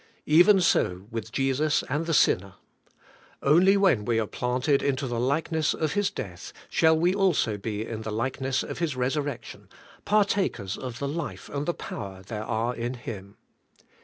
Even so with Jesus and the sinner. Only when we are planted into the like ness of His death shall we also be in the likeness of His resurrection, partakers of the life and the power there are in Him.